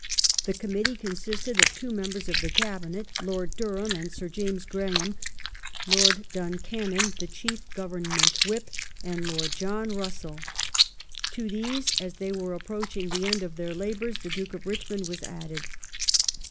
The Committee consisted of two members of the Cabinet : Lord Durham and Sir James Graham ; Lord Duncannon, the chief Government Whip, and Lord John Russell. To these, as they were approaching the end of their labours, the Duke of Richmond was added.